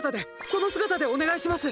その姿でお願いします！